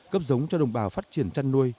cấp giống cho đồng bào phát triển chăn nuôi